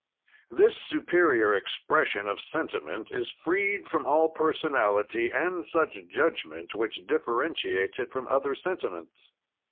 "This superior expression of sentiment is freed from all personality and such judgment which differentiates it from other sentiments.